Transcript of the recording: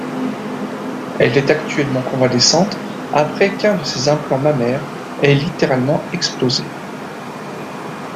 Elle est actuellement convalescente après qu'un de ses implants mammaires ait littéralement explosé.